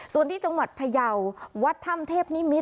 ส่วนที่จังหวัดพยาววัดถ้ำเทพนิมิตร